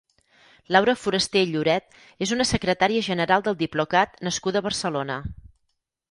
Laura Foraster i Lloret és una secretària general del Diplocat nascuda a Barcelona.